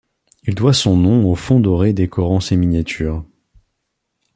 Il doit son nom aux fonds dorés décorant ses miniatures.